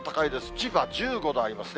千葉１５度ありますね。